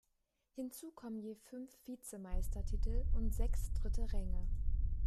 Hinzu kommen je fünf Vizemeistertitel und sechs dritte Ränge.